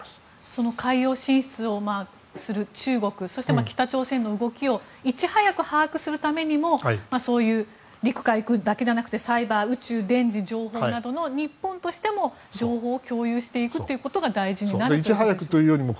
その海洋進出をする中国そして北朝鮮の動きをいち早く把握するためにもそういう陸海空だけじゃなくサイバー、宇宙、電磁情報などの日本としても情報を共有していくということが大事になるということですね。